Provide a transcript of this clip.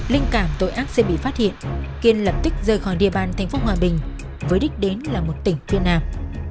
linh cảm tội ác sẽ bị phát hiện kiên lập tức rời khỏi địa bàn thành phố hòa bình với đích đến là một tỉnh phiên nào